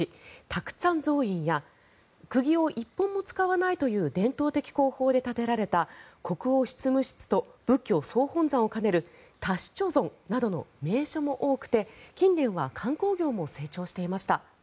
タクツァン僧院やくぎを１本も使わないとされる伝統的工法で建てられた国王執務室と仏教総本山を兼ねるタシチョ・ゾンなどの名所も多くて近年は観光業も成長していました。